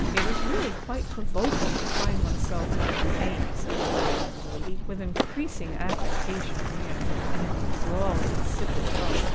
"It is really quite provoking to find oneself known to Fame," said the literary lady, with increasing affectation of manner, and in a drawling, insipid tone.